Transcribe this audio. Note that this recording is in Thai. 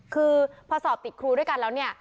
คือพอสอบติดครูด้วยกันแล้วเนี่ย